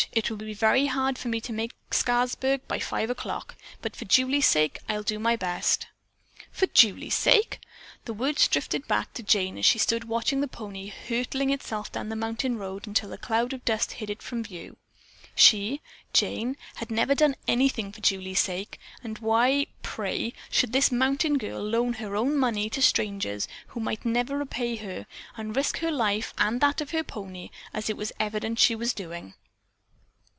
It will be very hard for me to make Scarsburg by five o'clock, but for Julie's sake I'll do my best." "For Julie's sake!" The words drifted back to Jane as she stood watching the pony hurtling itself down the mountain road until the cloud of dust hid it from view. She, Jane, had never done anything for Julie's sake, and why, pray, should this mountain girl loan her own money to strangers who might never repay her, and risk her life and that of her pony, as it was evident she was doing?